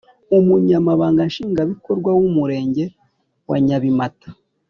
Umunyamabanga Nshingwabikorwa w’Umurenge wa Nyabimata